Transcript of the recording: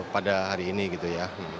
pada hari ini gitu ya